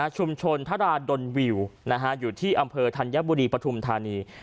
ชุมชนทราดลวิวอยู่ที่อำเภอธัญบุรีปฐุมธานี